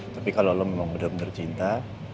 tapi kalo lo memang bener bener cinta